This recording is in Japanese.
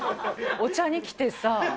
お茶に来てさ。